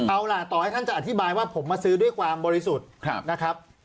เอาล่ะต่อให้ท่านจะอธิบายว่าผมมาซื้อด้วยความบริสุทธิ์นะครับ